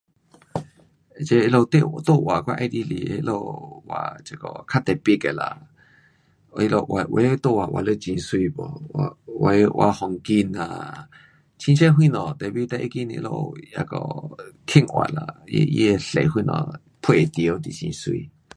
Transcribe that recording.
这个他们画我比较喜欢特别画的很美风景什么东西画的很厉害画搭配到就很美